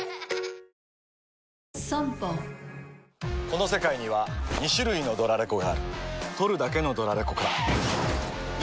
この世界には２種類のドラレコがある録るだけのドラレコか・ガシャン！